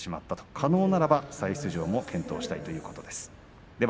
可能ならば再出場を検討したいと言っています。